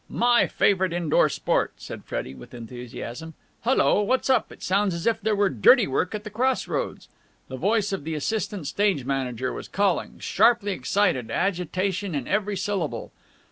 "My favourite indoor sport!" said Freddie with enthusiasm. "Hullo! What's up? It sounds as if there were dirty work at the cross roads!" The voice of the assistant stage manager was calling, sharply excited, agitation in every syllable.